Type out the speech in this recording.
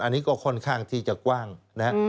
อันนี้ก็ค่อนข้างที่จะกว้างนะครับ